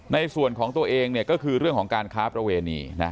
ในส่วนของตัวเองก็คือเรื่องของการค้าประเวณี